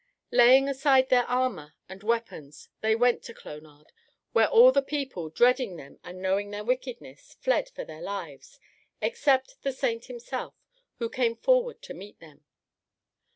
Laying aside their armor and weapons, they went to Clonard, where all the people, dreading them and knowing their wickedness, fled for their lives, except the saint himself, who came forward to meet them.